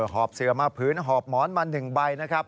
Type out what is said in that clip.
หอบเสือมาพื้นหอบหมอนมา๑ใบนะครับ